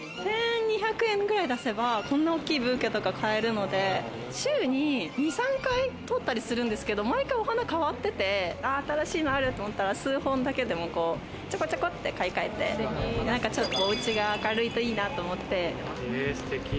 １２００円くらい出せばこんな大きいブーケとか買えるので週に２、３回通ったりするんですけど、毎回おはな変わってて、新しいのあると思ったら数本だけでも買いかえて、おうちが明るいといいなと思って。